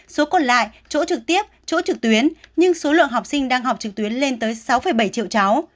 số còn lại chỗ trực tiếp chỗ trực tuyến nhưng số lượng học sinh đang học trực tuyến lên tới sáu bảy triệu cháu